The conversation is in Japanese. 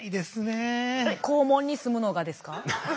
えっ肛門にすむのがですか？